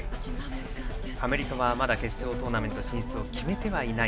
アメリカはまだ決勝トーナメント進出を決めてはいない。